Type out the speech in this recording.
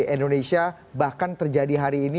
indonesia bahkan terjadi hari ini